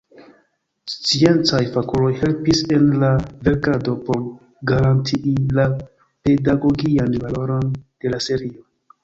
Sciencaj fakuloj helpis en la verkado por garantii la pedagogian valoron de la serio.